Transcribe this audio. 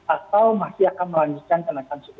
atau masih akan melanjutkan menaikkan s lima belas